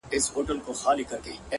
هره تجربه نوی لیدلوری بښي